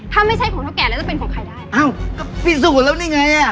ถ้าไม่ใช่ของเท่าแก่แล้วจะเป็นของใครได้อ้าวก็พิสูจน์แล้วนี่ไงอ่ะ